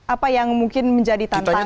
apa yang mungkin menjadi tantangan